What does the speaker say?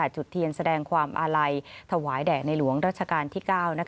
จุดเทียนแสดงความอาลัยถวายแด่ในหลวงรัชกาลที่๙